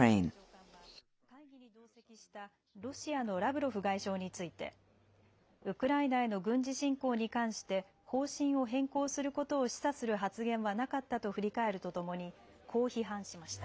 この中でブリンケン長官は会議に同席したロシアのラブロフ外相についてウクライナへの軍事侵攻に関して方針を変更することを示唆する発言はなかったと振り返るとともにこう批判しました。